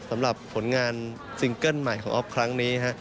สำหรับผลงานซิงเกิ้ลใหม่ของออฟครั้งนี้ฮะ